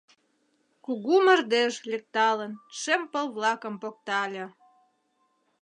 Кугу мардеж, лекталын. Шем пыл-влакым поктале.